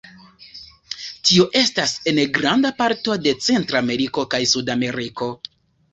Tio estas en granda parto de Centrameriko kaj Sudameriko.